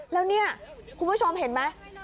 แล้วนี่คุณผู้ชมเห็นไหม